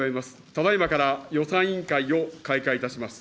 ただいまから予算委員会を開会いたします。